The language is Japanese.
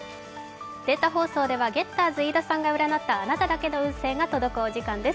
データ放送ではゲッターズ飯田さんが占ったあなただけの運勢が届く時間です。